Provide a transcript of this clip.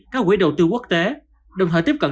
các quỹ đầu tư quốc tế đồng thời tiếp cận